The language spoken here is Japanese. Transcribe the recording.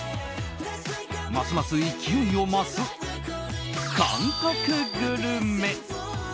ますます勢いを増す韓国グルメ。